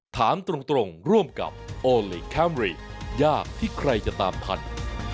ถามตรงร่วมกับโอลี่คัมรี่ยากที่ใครจะตามทัน